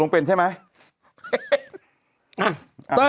ขออีกทีอ่านอีกที